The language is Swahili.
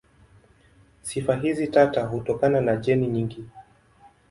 Sifa hizi tata hutokana na jeni nyingi.